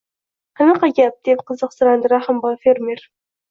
– Qanaqa gap? – deb qiziqsirandi Rahimboy fermer